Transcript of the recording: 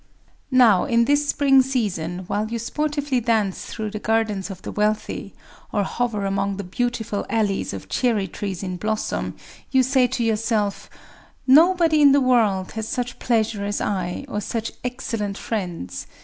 "Now, in this spring season, while you sportively dance through the gardens of the wealthy, or hover among the beautiful alleys of cherry trees in blossom, you say to yourself: 'Nobody in the world has such pleasure as I, or such excellent friends.